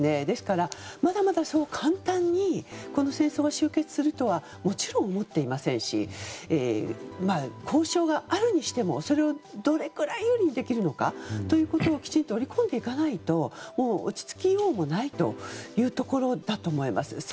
ですから、まだまだそう簡単にこの戦争が終結するとはもちろん思っていませんし交渉があるにしてもそれをどれくらい有利にできるかをきちんと織り込んでいかないと落ち着きようもないというところだと思います。